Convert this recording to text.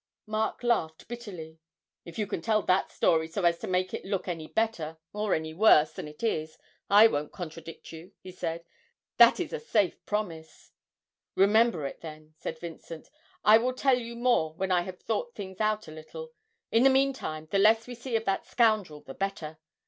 Mark laughed bitterly. 'If you can tell that story so as to make it look any better, or any worse, than it is, I won't contradict you,' he said: 'that is a safe promise!' 'Remember it, then,' said Vincent. 'I will tell you more when I have thought things out a little. In the meantime, the less we see of that scoundrel the better.